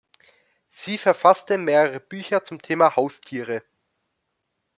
Sie verfasste mehrere Bücher zum Thema Haustiere.